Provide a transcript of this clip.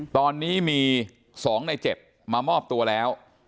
ตอนนี้มี๒ใน๗มามอบตัวแล้ว